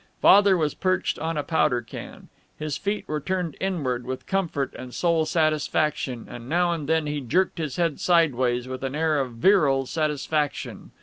Father was perched on a powder can. His feet were turned inward with comfort and soul satisfaction, and now and then he jerked his head sideways, with an air of virile satisfaction.